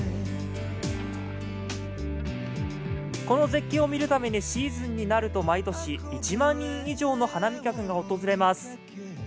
この絶景を見るためにシーズンになると、毎年１万人以上の花見客が訪れます。